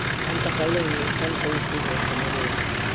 ¡Canta calumnia, canta insidia, señoría!